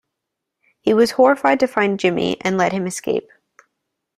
He was horrified to find Jimmy and let him escape.